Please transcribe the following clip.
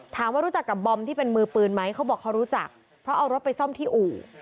รู้จักกับบอมที่เป็นมือปืนไหมเขาบอกเขารู้จักเพราะเอารถไปซ่อมที่อู่